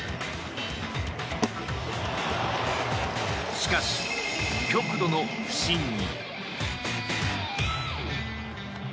しかし、極度の不振に。